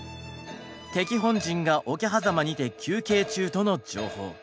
「敵本陣が桶狭間にて休憩中」との情報。